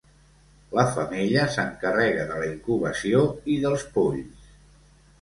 La femella s'encarrega de la incubació i dels polls.